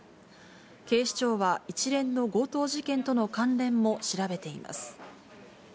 警視庁は一連の強盗事件との関連も調べています。